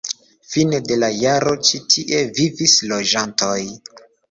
Fine de la jaro ĉi tie vivis loĝantoj.